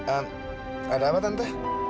ehm ada apa tante